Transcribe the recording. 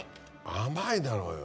甘いだろうよ。